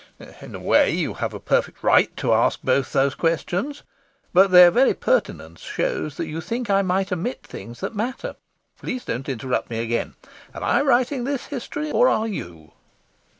In a way, you have a perfect right to ask both those questions. But their very pertinence shows that you think I might omit things that matter. Please don't interrupt me again. Am I writing this history, or are you?